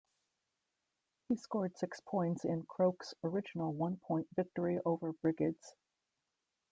He scored six points in Crokes' original one-point victory over Brigids.